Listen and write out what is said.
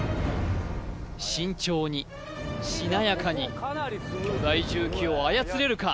慎重にしなやかに巨大重機を操れるか？